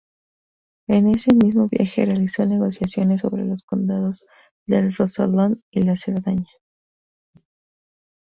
En ese mismo viaje realizó negociaciones sobre los condados del Rosellón y la Cerdaña.